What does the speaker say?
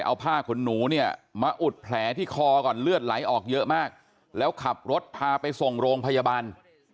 เอาผ้าขนหนูเนี่ยมาอุดแผลที่คอก่อนเลือดไหลออกเยอะมากแล้วขับรถพาไปส่งโรงพยาบาล